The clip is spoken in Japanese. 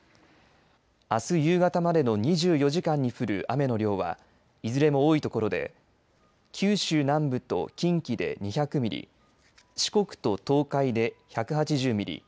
あす夕方までの２４時間に降る雨の量はいずれも多い所で九州南部と近畿で２００ミリ四国と東海で１８０ミリ